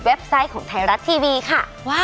ไซต์ของไทยรัฐทีวีค่ะ